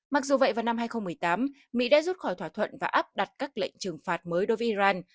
mặc dù vậy vào năm hai nghìn một mươi tám mỹ đã rút khỏi thỏa thuận và áp đặt các lệnh trừng phạt mới đối với iran